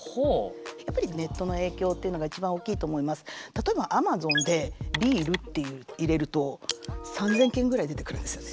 例えばアマゾンでビールって入れると３，０００件ぐらい出てくるんですよね。